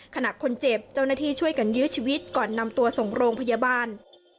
ขณะคนเจ็บเจ้าหน้าที่ช่วยกันยื้อชีวิตก่อนนำตัวส่งโรงพยาบาล